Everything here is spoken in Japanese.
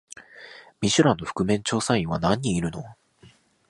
ミシュランの覆面調査員は何人いるの？